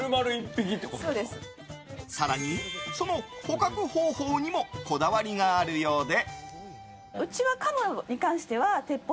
更に、その捕獲方法にもこだわりがあるようで。